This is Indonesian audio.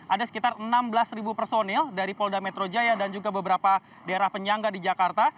ada sekitar enam belas personil dari polda metro jaya dan juga beberapa daerah penyangga di jakarta